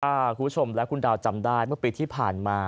ถ้าคุณผู้ชมและคุณดาวจำได้เมื่อปีที่ผ่านมา